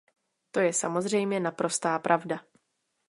To je samozřejmě naprostá pravda.